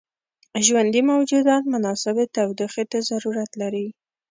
ژوندي موجودات مناسبې تودوخې ته ضرورت لري.